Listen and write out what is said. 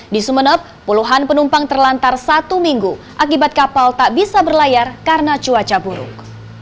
di sumeneb puluhan penumpang terlantar satu minggu akibat kapal tak bisa berlayar karena cuaca buruk